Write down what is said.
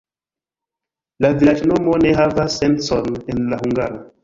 La vilaĝnomo ne havas sencon en la hungara.